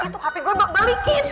tuh hp gue balikin